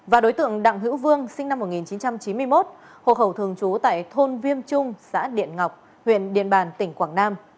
và đối tượng đặng hữu vương sinh năm một nghìn chín trăm chín mươi một hộ khẩu thường trú tại thôn viêm trung xã điện ngọc huyện điện bàn tỉnh quảng nam